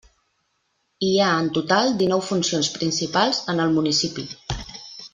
Hi ha en total dinou funcions principals en el municipi.